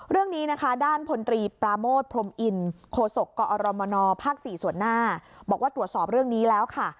เรื่องนี้นะคะด้านพลตรีปราโมทพรมอินโคศกกอรมนภ๔ส่วนหน้าบอกว่าตรวจสอบเรื่องนี้แล้วค่ะ